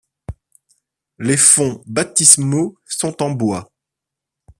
Les fonts baptismaux sont en bois.